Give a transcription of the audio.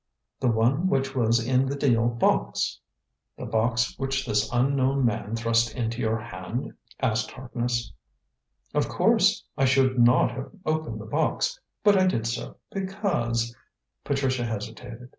"The one which was in the deal box." "The box which this unknown man thrust into your hand?" asked Harkness. "Of course. I should not have opened the box, but I did so, because " Patricia hesitated.